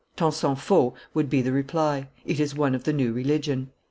'Tant s'en fault,' would be the reply, 'it is one of the new religion.